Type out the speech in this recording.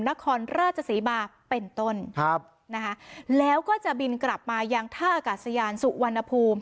นครราชศรีมาเป็นต้นครับนะคะแล้วก็จะบินกลับมายังท่าอากาศยานสุวรรณภูมิ